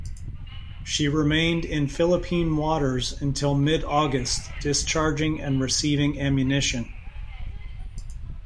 She remained in Philippine waters until mid-August discharging and receiving ammunition.